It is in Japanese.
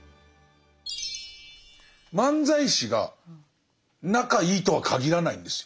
漫才師が仲いいとはかぎらないんですよ。